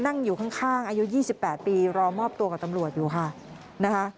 นั่งอยู่ข้างอายุ๒๘ปีรอมอบตัวกับตำรวจอยู่ค่ะนะคะ